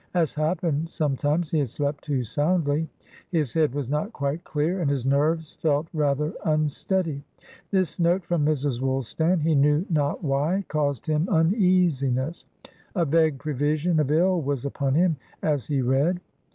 As happened sometimes, he had slept too soundly; his head was not quite clear, and his nerves felt rather unsteady. This note from Mrs. Woolstan, he knew not why, caused him uneasiness; a vague prevision of ill was upon him as he read.